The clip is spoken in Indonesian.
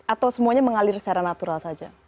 atau semuanya mengalir secara natural saja